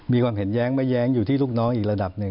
มีความเห็นแย้งไม่แย้งอยู่ที่ลูกน้องอีกระดับหนึ่ง